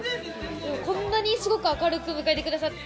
こんなにすごく明るく迎えてくださって。